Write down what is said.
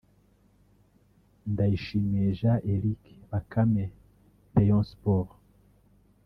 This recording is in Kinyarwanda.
Ndayishimiye Jean Eric Bakame(Rayon Sports)